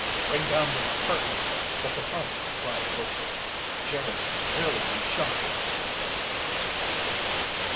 "Ring down the curtain!" the photographer cried hoarsely. "Jerry's really been shot!"